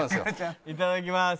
いただきます。